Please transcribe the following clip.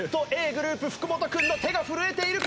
ｇｒｏｕｐ福本君の手が震えているか？